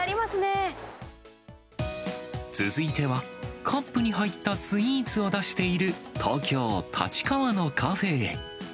続いては、カップに入ったスイーツを出している、東京・立川のカフェへ。